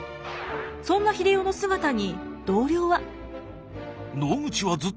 そんな英世の姿に同僚は。